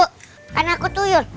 kan aku tuyul